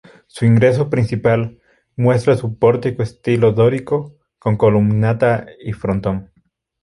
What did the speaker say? Su ingreso principal muestra su pórtico estilo dórico con columnata y frontón.